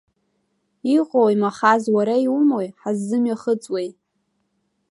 Иҟои, Махаз, уара иумои, ҳаззымҩахыҵуеи?